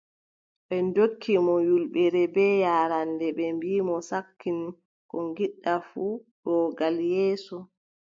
Ɓe ndokki mo ƴulmere, bee yaaraande, ɓe mbii mo: sakkin, ko ngiɗɗa fuu, ɗo gal yeeso.